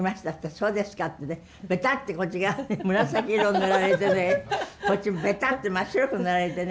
そうですかってねベタッてこっち側に紫色塗られてねこっちベタッて真っ白く塗られてね。